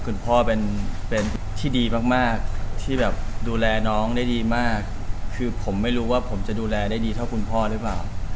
คุณพ่อเป็นที่ดีมากที่แบบดูแลน้องได้ดีมากคือผมไม่รู้ว่าผมจะดูแลได้ดีเท่าคุณพ่อหรือเปล่า